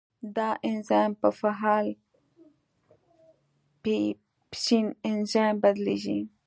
دا انزایم په فعال پیپسین انزایم بدلېږي.